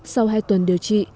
sau hai tuần điều trị